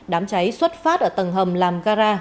đám cháy xuất phát ở tầng hầm làm gara